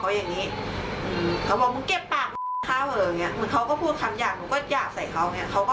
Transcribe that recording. ก็บอกเขามึงเก็บปากเขาก็พูดคำใหญ่มึงก็อยากใส่เขา